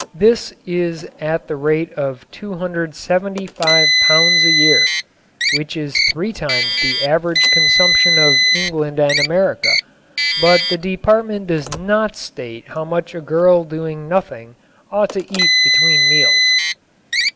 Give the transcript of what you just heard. This is at the rate of 275 pounds a year, which is three times the average consumption of England and America. But the Department does not state how much a girl doing nothing ought to eat between meals.